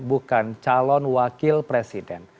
bukan calon wakil presiden